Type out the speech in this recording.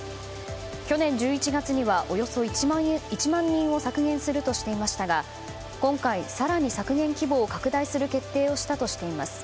去年１１月にはおよそ１万人を削減するとしていましたが今回、更に削減規模を拡大する決定をしたとしています。